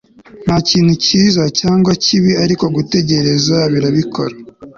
nta kintu cyiza cyangwa kibi ariko gutekereza birabikora